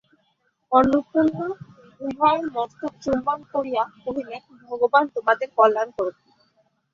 অন্নপূর্ণা উভয়ের মস্তকচুম্বন করিয়া কহিলেন, ভগবান তোমাদের কল্যাণ করুন।